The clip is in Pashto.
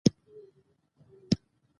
ژبه زموږ د کورنی ژبه ده.